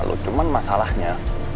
lu cuman masalahnya